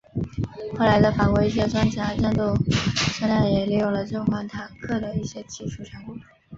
后来的法国一些装甲战斗车辆也利用了这款坦克的一些技术成果。